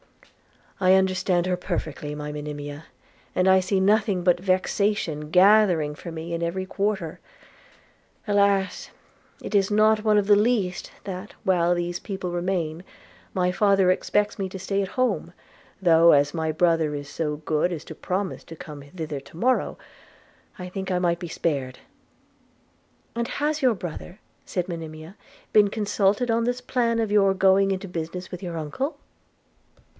'I understand her perfectly, my Monimia, and I see nothing but vexation gathering for me in every quarter. Alas! it is not one of the least, that, while these people remain, my father expects me to stay at home; though, as my brother is so good as to promise to come thither to morrow, I think I might be spared.' 'And has your brother,' said Monimia, 'been consulted on this plan of your going into business with your uncle?'